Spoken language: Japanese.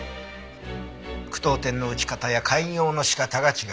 句読点の打ち方や改行の仕方が違う。